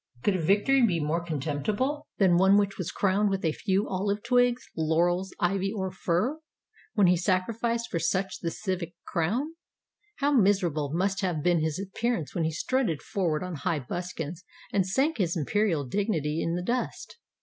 Could a victory be more contemptible than one which was crowned with a few olive twigs, laurels, ivy, or fir — when he sacrificed for such the civic crown? How miser able must have been his appearance when he strutted forward on high buskins, and sank his imperial dignity in the dust